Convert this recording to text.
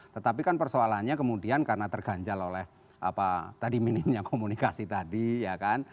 tetapi kan persoalannya kemudian karena terganjal oleh apa tadi minimnya komunikasi tadi ya kan